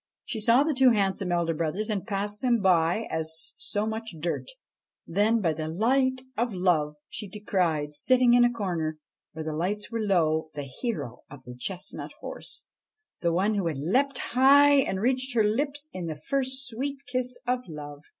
She saw the two handsome elder brothers and passed them by as so much dirt. Then, by the light of love, she descried, sitting in a corner, where the lights were low, the hero of the chestnut horse, the one who had leapt high and reached her lips in the first sweet kiss of love.